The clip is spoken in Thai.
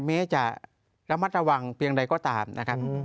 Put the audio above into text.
แม้จะระมัดระวังเพียงใดก็ตามนะครับ